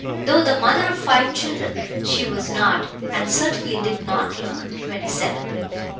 Though the mother of five children, she was not, and certainly did not look, twenty seven.